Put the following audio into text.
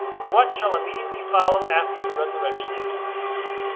What shall immediately follow after the resurrection?